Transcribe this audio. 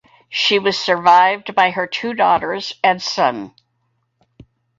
She was survived by her two daughters and son.